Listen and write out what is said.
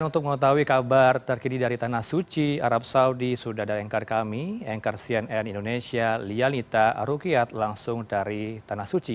untuk mengetahui kabar terkini dari tanah suci arab saudi sudah ada engkar kami engkar cnn indonesia lianita rukiat langsung dari tanah suci